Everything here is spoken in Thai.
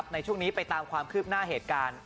ในช่วงนี้ไปตามความคืบหน้าเหตุการณ์